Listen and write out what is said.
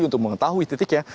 untuk mengetahui titiknya